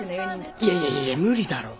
いやいやいや無理だろ。